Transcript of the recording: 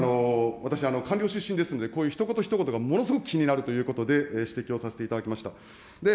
私、官僚出身ですので、こういうひと言ひと言がものすごく気になるということで、指摘をさせていただきました。